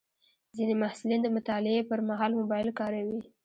ځینې محصلین د مطالعې پر مهال موبایل کاروي.